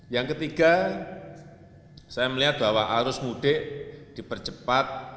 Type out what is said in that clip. yang ketiga saya melihat bahwa arus mudik dipercepat